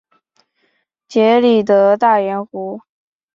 杰里德大盐湖。